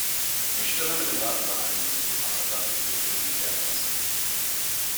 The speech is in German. Ich stimme mit dem Rat überein, dass wir die transatlantischen Beziehungen stärken müssen.